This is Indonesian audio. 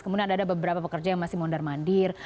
kemudian ada beberapa pekerja yang masih mondar mandir